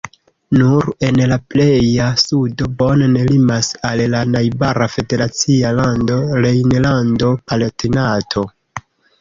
Nur en la pleja sudo Bonn limas al la najbara federacia lando Rejnlando-Palatinato.